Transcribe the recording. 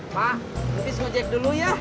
pak habis ngejek dulu ya